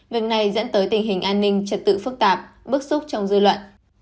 việc này dẫn tới tình hình an ninh trật tự phức tạp bức xúc trong dư luận